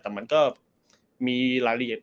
แต่มันก็มีรายละเอียด